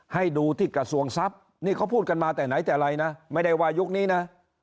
ให้ดูที่กระทรวงทรัพย์นี่เขาพูดกันมาแต่ไหนแต่ไรนะไม่ได้ว่ายุคนี้นะ